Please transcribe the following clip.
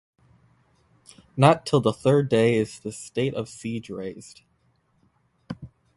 Not till the third day is this state of siege raised.